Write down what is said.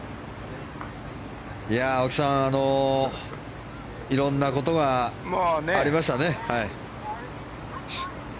青木さん色んなことがありましたね。